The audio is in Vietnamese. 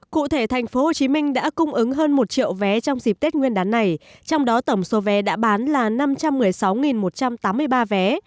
cụ thể tp hcm đã cung ứng hơn một triệu vé trong dịp tết nguyên đán này trong đó tổng số vé đã bán là năm trăm một mươi sáu một trăm tám mươi ba vé